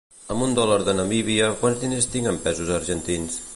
Amb un dòlar de Namíbia quants diners tinc en pesos argentins?